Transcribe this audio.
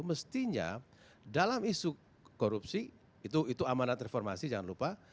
mestinya dalam isu korupsi itu amanat reformasi jangan lupa